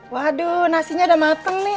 waduh nasinya udah mateng nih